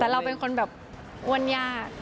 แต่เราเป็นคนแบบอ้วนยาก